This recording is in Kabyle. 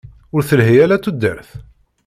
Ur telhi ara tudert?